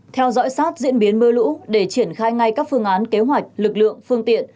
theo dõi sát diễn biến mưa lũ để triển khai ngay các phương án kế hoạch lực lượng phương tiện